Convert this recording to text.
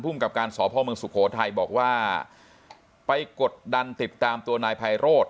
กับการสพเมืองสุโขทัยบอกว่าไปกดดันติดตามตัวนายไพโรธ